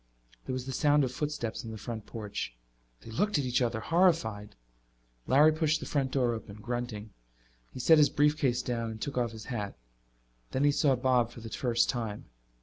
There was the sound of footsteps on the front porch. They looked at each other, horrified. Larry pushed the front door open, grunting. He set his briefcase down and took off his hat. Then he saw Bob for the first time.